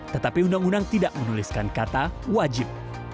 tetapi undang undang tidak menuliskan kata wajib